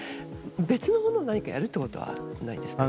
別のものを何かやるということはないですか？